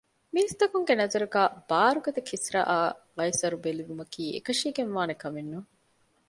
މީސްތަކުންގެ ނަޒަރުގައި ބާރުގަދަ ކިސްރާއާ ޤައިޞަރު ބަލިވުމަކީ އެކަށީގެންވާނޭ ކަމެއްނޫން